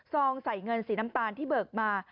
ใส่เงินสีน้ำตาลที่เบิกมา